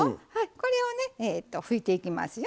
これをね拭いていきますよ。